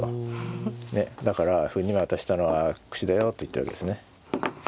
だから歩２枚渡したのは悪手だよと言ってるわけですね。